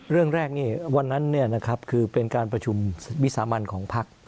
เรื่องแรกวันนั้นคือเป็นการประชุมวิสามันของพัก